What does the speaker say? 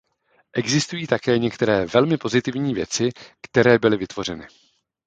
Existují také některé velmi pozitivní věci, které byly vytvořeny.